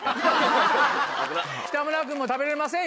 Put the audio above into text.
北村君も食べれませんよ